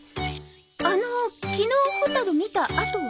あの昨日ホタル見たあとは？